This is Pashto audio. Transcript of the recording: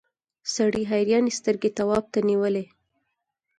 سړي حیرانې سترګې تواب ته نیولې.